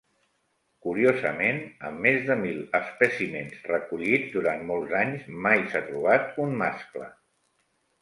Curiosament, amb més de mil espècimens recollits durant molts anys, mai s'ha trobat un mascle.